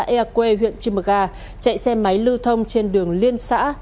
ở xã ea quê huyện cư mờ ga chạy xe máy lưu thông trên đường liên xã